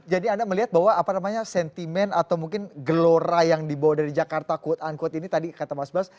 jadi anda melihat bahwa apa namanya sentimen atau mungkin gelora yang dibawa dari jakarta quote unquote ini tadi kata mas bas